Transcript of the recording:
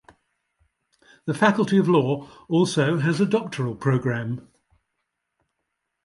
The Faculty of law also has a doctoral program.